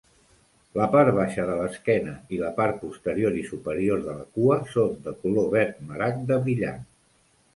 La part baixa de l'esquena i la part posterior i superior de la cua són de color verd maragda brillant.